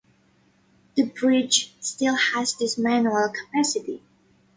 The bridge still has this manual capacity.